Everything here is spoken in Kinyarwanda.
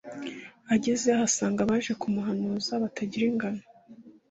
Agezeyo ahasanga abaje kumuhanuza batagira ingano